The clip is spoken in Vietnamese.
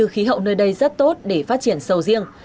khí hậu nơi đây rất tốt để phát triển sầu riêng